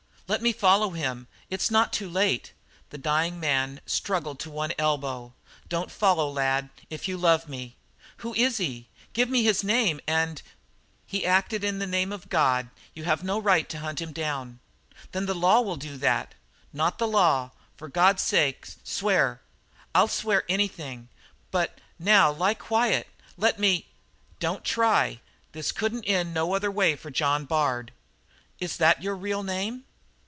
"Let me follow him; it's not too late " The dying man struggled to one elbow. "Don't follow, lad, if you love me." "Who is he? Give me his name and " "He's acted in the name of God. You have no right to hunt him down." "Then the law will do that." "Not the law. For God's sake swear " "I'll swear anything. But now lie quiet; let me " "Don't try. This couldn't end no other way for John Bard." "Is that your real name?"